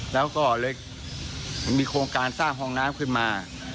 แล้วก็เลยมีโครงการสร้างห้องน้ำขึ้นมา